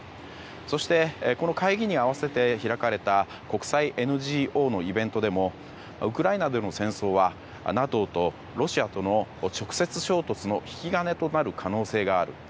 そしてこの会議に合わせて開かれた国際ＮＧＯのイベントでもウクライナでの戦争はＮＡＴＯとロシアとの直接衝突の引き金となる可能性がある。